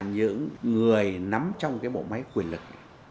những người nắm trong cái bộ máy quyền lực